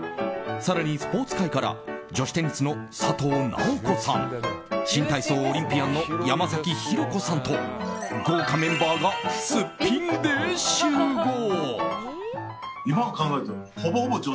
更に、スポーツ界から女子テニスの佐藤直子さん新体操オリンピアンの山崎浩子さんと豪華メンバーがすっぴんで集合。